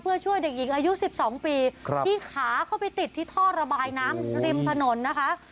เพื่อช่วยเด็กหญิงอายุ๑๒ปีที่ขาเข้าไปติดที่ท่อระบายน้ำริมถนนนะคะ